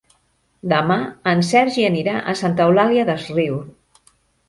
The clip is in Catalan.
Demà en Sergi anirà a Santa Eulària des Riu.